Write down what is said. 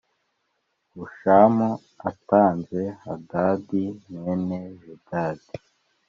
Hushamu atanze Hadadi mwene Bedadi